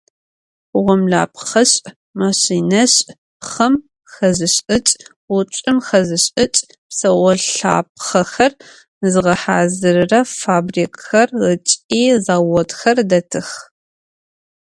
Гъомлэпхъэшӏ, машинэшӏ, пхъэм хэзышӏыкӏ, гъучӏым хэзышӏыкӏ, псэолъапхъэхэр зыгъэхьазырырэ фабрикхэр ыкӏи заводхэр дэтых.